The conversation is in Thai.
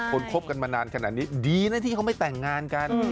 คบกันมานานขนาดนี้ดีนะที่เขาไม่แต่งงานกัน